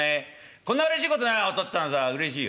こんなうれしいことないよお父っつぁんさあうれしいよ」。